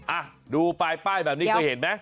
อะดูปลายเป็นของเค้ายเห็นไหม